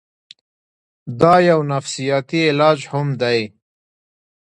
دا يو نفسياتي علاج هم دے